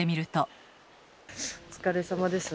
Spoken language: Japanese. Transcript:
お疲れさまです。